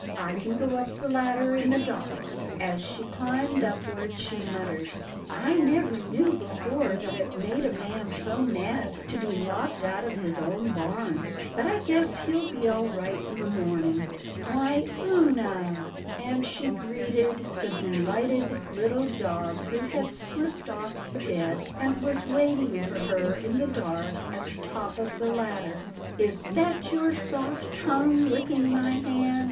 I can go up the ladder in the dark." As she climbed upward, she murmured, " I never 286 'TILDA JANE'S ORPHANS knew before that it made a man so mad to be locked out of his own barn, but I guess he'll be all right in the morning — Why Oonah," and she greeted the delighted little dog who had slipped off the bed, and was waiting for her in the dark at the top of the ladder, is that your soft tongue licking my hand?